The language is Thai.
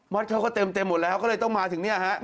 เขาก็เต็มหมดแล้วก็เลยต้องมาถึงเนี่ยฮะ